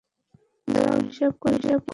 দাঁড়াও হিসাব করে দেখি।